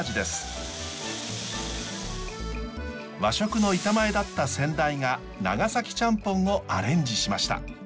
和食の板前だった先代が長崎チャンポンをアレンジしました。